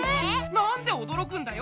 なんでおどろくんだよ？